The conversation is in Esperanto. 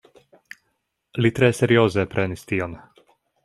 Li tre serioze prenis tion.